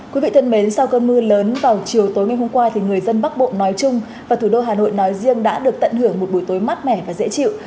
quý vị thân mến sau cơn mưa lớn vào chiều tối ngày hôm qua thì người dân bắc bộ nói chung và thủ đô hà nội nói riêng đã được tận hưởng một buổi tối mát mẻ và dễ chịu